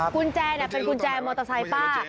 กุญแจเป็นกุญแจมอเตอร์ไซค์ป้า